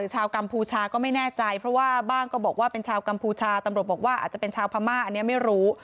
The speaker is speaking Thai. ชาวกัมพูชาก็ไม่แน่ใจเพราะว่าบ้างก็บอกว่าเป็นชาวกัมพูชาตำรวจบอกว่าอาจจะเป็นชาวพม่าอันนี้ไม่รู้